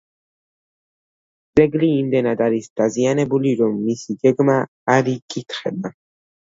ძეგლი იმდენად არის დაზიანებული, რომ მისი გეგმა არ იკითხება.